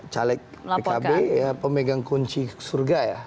caleg pkb ya pemegang kunci surga ya